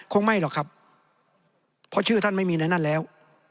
คงไม่หรอกครับเพราะชื่อท่านไม่มีในนั้นแล้ว